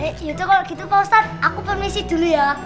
eh itu kalau gitu pak ustadz aku permisi dulu ya